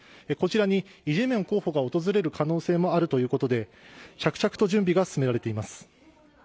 こちらに、イ・ジェミョン候補が訪れる可能性もあるということで、着々と準備が進められています。